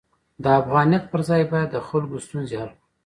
د افغانیت پر ځای باید د خلکو ستونزې حل کړو.